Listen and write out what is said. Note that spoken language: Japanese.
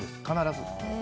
必ず。